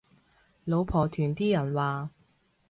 老婆團啲人話